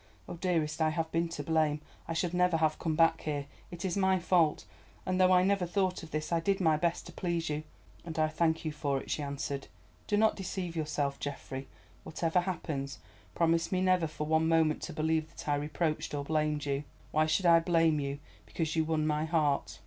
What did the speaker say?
"Oh, dearest, I have been to blame. I should never have come back here. It is my fault; and though I never thought of this, I did my best to please you." "And I thank you for it," she answered. "Do not deceive yourself, Geoffrey. Whatever happens, promise me never for one moment to believe that I reproached or blamed you. Why should I blame you because you won my heart?